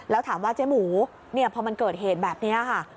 แล้วถามว่าเจ๊หมูพอมันเกิดเหตุแบบนี้ค่ะ